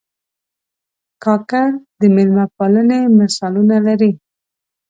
کاکړ د مېلمه پالنې مثالونه لري.